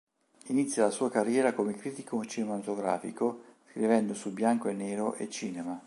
Inizia la sua carriera come critico cinematografico, scrivendo su "Bianco e Nero" e "Cinema".